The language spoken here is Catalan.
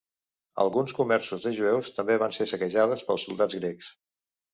Alguns comerços de jueus també van ser saquejades pels soldats grecs.